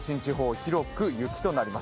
広く雪となります。